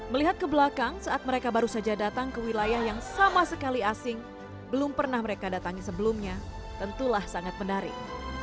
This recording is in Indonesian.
melihat ke belakang saat mereka baru saja datang ke wilayah yang sama sekali asing belum pernah mereka datangi sebelumnya tentulah sangat menarik